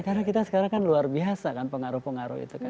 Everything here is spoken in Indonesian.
karena kita sekarang kan luar biasa kan pengaruh pengaruh itu kan